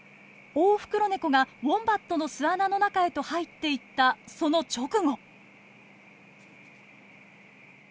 オオフクロネコがウォンバットの巣穴の中へと入っていったその直後。